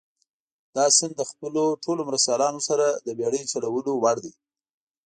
دا سیند له خپلو ټولو مرستیالانو سره د بېړۍ چلولو وړ دي.